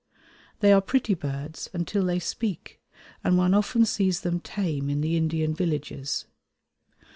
They are pretty birds until they speak, and one often sees them tame in the Indian villages.